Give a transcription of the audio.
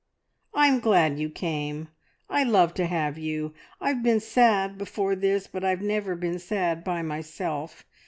"I'm glad you came; I love to have you. I've been sad before this, but I've never been sad by myself!